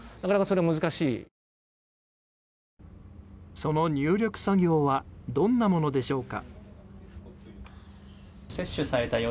その入力作業はどんなものでしょうか。